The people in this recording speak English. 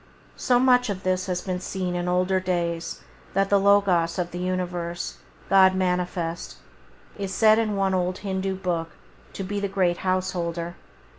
So much has this been seen in older days that the Logos of the universe, God manifest, is said in one old Hindû book to be the Great Householder.